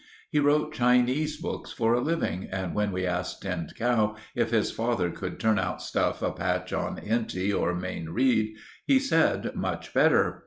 He wrote Chinese books for a living, and when we asked Tinned Cow if his father could turn out stuff a patch on Henty or Mayne Reid, he said much better.